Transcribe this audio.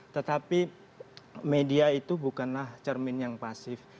tetapi media itu bukanlah cermin yang pasif